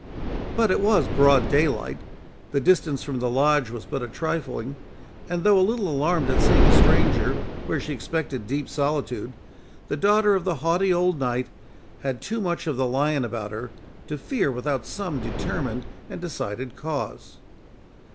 But it was broad daylight, the distance from the Lodge was but trifling, and though a little alarmed at seeing a stranger where she expected deep solitude, the daughter of the haughty old Knight had too much of the lion about her, to fear without some determined and decided cause.